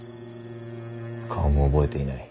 顔も覚えていない。